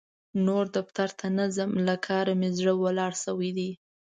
نور دفتر ته نه ځم؛ له کار مې زړه ولاړ شوی دی.